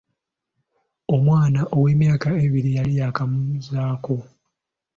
Omwana ow'emyaka ebiri yali yakamuzaako.